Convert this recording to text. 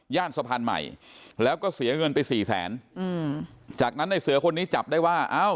สะพานใหม่แล้วก็เสียเงินไปสี่แสนอืมจากนั้นในเสือคนนี้จับได้ว่าอ้าว